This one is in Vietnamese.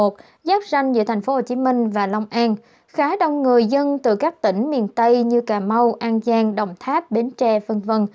tp hcm và long an khá đông người dân từ các tỉnh miền tây như cà mau an giang đồng tháp bến tre v v